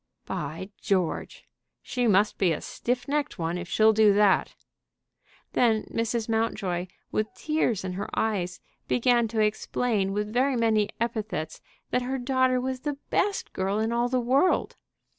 "By George! she must be a stiff necked one if she'll do that." Then Mrs. Mountjoy, with tears in her eyes, began to explain with very many epithets that her daughter was the best girl in all the world.